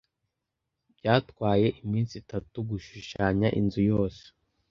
Byatwaye iminsi itatu gushushanya inzu yose.